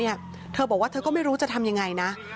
แล้วก็ไม่รู้จะทำยังไงนะ